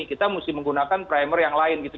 kita mesti menggunakan primer yang lain gitu